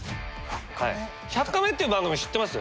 「１００カメ」っていう番組知ってます？